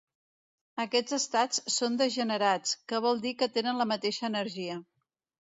Aquests estats són degenerats, que vol dir que tenen la mateixa energia.